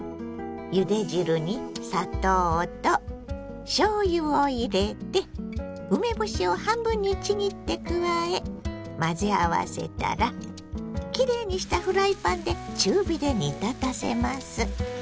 ゆで汁に砂糖としょうゆを入れて梅干しを半分にちぎって加え混ぜ合わせたらきれいにしたフライパンで中火で煮立たせます。